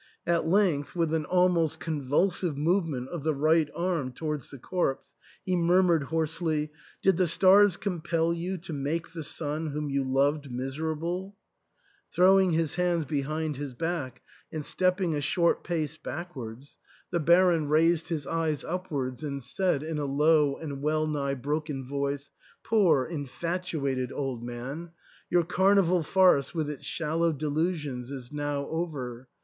At length, with an almost convulsive movement of the right arm towards the corpse, he murmured hoarsely, " Did the stars compel you to make the son whom you loved miserable ?" Throwing his hands behind his back and stepping a short pace backwards, the Baron THE ENTAIL. 277 raised his eyes upwards and said in a low and well nigh broken voice, " Poor, infatuated old man ! Your car* nival farce with its shallow delusions is now over.